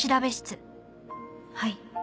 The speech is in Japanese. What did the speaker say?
はい。